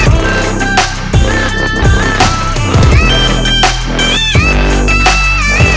gak bermaksud menyakiti perasaan ibu